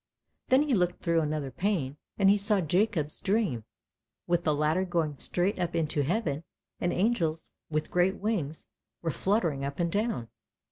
Then he looked through another pane, and he saw Jacob's dream, with the ladder going straight up into heaven, and angels with great wings were fluttering up and down.